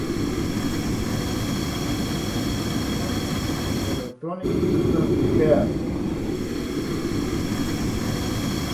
The visit to Charleston was for electronic equipment repair.